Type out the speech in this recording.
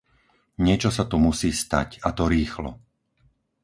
Niečo sa tu musí stať, a to rýchlo.